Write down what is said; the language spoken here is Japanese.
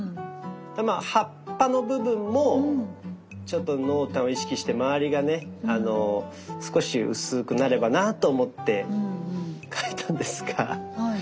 葉っぱの部分もちょっと濃淡を意識して周りがね少し薄くなればなと思って描いたんですが。